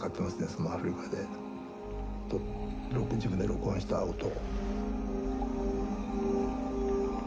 そのアフリカで自分で録音した音。